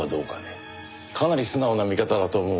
かなり素直な見方だと思うがね。